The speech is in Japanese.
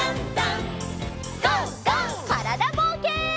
からだぼうけん。